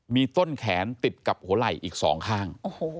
มีต้นแขนติดกับหัวไหล่อีก๒ข้าง